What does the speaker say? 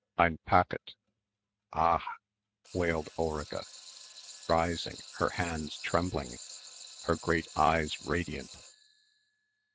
"Ein Packet ... a a ach," wailed Ulrica, rising, her hands trembling, her great eyes radiant.